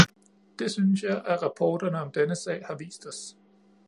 Det synes jeg, at rapporterne om denne sag har vist os.